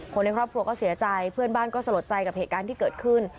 ในครอบครัวก็เสียใจเพื่อนบ้านก็สลดใจกับเหตุการณ์ที่เกิดขึ้น